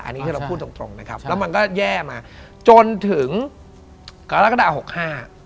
อันนี้ที่เราพูดตรงแล้วมันก็แย่มาจนถึงกรกฎา๖๕